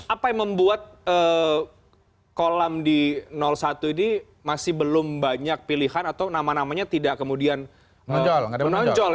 apa yang membuat kolam di satu ini masih belum banyak pilihan atau nama namanya tidak kemudian menonjol